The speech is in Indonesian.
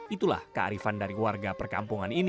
itulah kearifan dari warga perkampungan ini